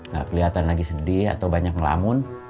gak kelihatan lagi sedih atau banyak ngelamun